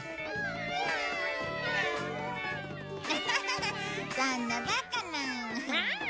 アハハハそんなバカな。